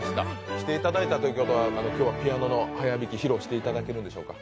来ていただいたということは、今日はピアノの速弾き、披露していただけるんでしょうか？